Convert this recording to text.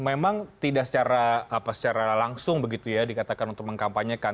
memang tidak secara langsung begitu ya dikatakan untuk mengkampanyekan